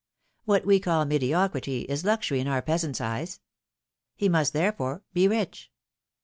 What we call mediocrity is luxury in our peasant's eyes. He must, therefore, be rich.